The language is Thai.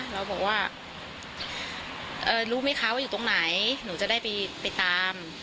เราบอกว่ารู้ไหมคะว่าอยู่ตรงไหนหนูจะได้ไปตาม